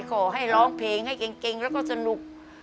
ขอให้ร้องเพลงให้เก่งแล้วก็สนุก